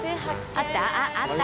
あったあった。